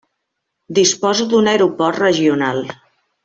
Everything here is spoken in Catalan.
Disposa d'un aeroport regional.